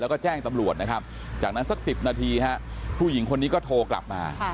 แล้วก็แจ้งตำรวจนะครับจากนั้นสัก๑๐นาทีฮะผู้หญิงคนนี้ก็โทรกลับมา